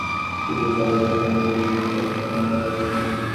বৃহস্পতিবার পাপিয়ার ফুফা আবদুল টুকু সদর থানায় একটি হত্যা মামলা করেন।